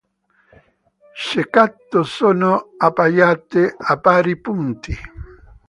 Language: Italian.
Ceccato sono appaiate a pari punti.